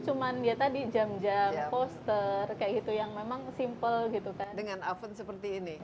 cuman ya tadi jam jam poster kayak gitu yang memang simple gitu kan dengan oven seperti ini